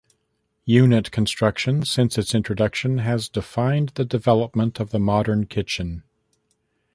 Unit construction since its introduction has defined the development of the modern kitchen.